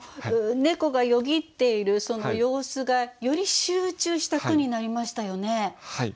猫がよぎっているその様子がより集中した句になりましたよね。